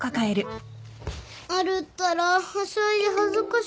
なるったらはしゃいで恥ずかしい。